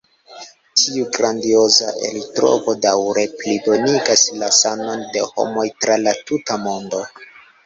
Tiu grandioza eltrovo daŭre plibonigas la sanon de homoj tra la tuta mondo.